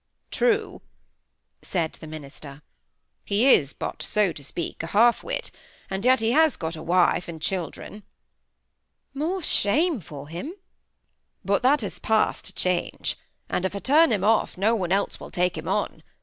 "True," said the minister. "He is but, so to speak, a half wit; and yet he has got a wife and children." "More shame for him!" "But that is past change. And if I turn him off; no one else will take him on.